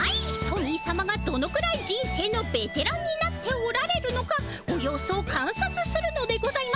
トミーさまがどのくらい人生のベテランになっておられるのかご様子をかんさつするのでございますね。